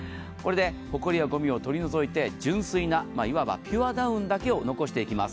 ホコリやごみを取り除いて、純粋ないわばピュアダウンだけを残していきます。